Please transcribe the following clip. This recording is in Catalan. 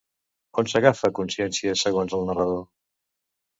On s'agafa consciència, segons el narrador?